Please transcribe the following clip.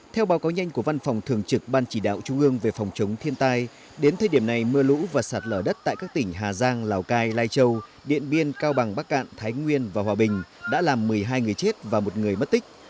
theo báo cáo nhanh của văn phòng thường trực ban chỉ đạo trung ương về phòng chống thiên tai đến thời điểm này mưa lũ và sạt lở đất tại các tỉnh hà giang lào cai lai châu điện biên cao bằng bắc cạn thái nguyên và hòa bình đã làm một mươi hai người chết và một người mất tích